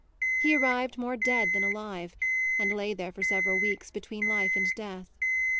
He arrived more dead than alive and lay there for several weeks between life and death.